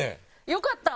良かった。